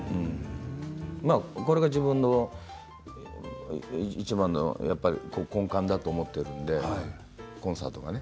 これが自分のいちばんのやっぱり根幹だと思っているので、コンサートがね。